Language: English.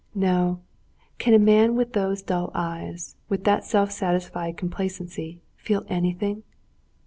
"No; can a man with those dull eyes, with that self satisfied complacency, feel anything?"